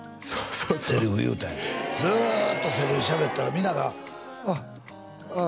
そうセリフ言うたんやてずっとセリフしゃべったらみんながあっああ